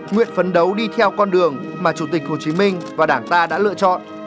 nguyện phấn đấu đi theo con đường mà chủ tịch hồ chí minh và đảng ta đã lựa chọn